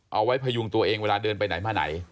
พยุงตัวเองเวลาเดินไปไหนมาไหน